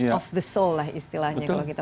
of the soul lah istilahnya kalau kita